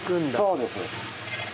そうです。